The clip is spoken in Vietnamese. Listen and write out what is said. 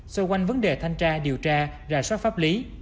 xoay quanh vấn đề thanh tra điều tra rà soát pháp lý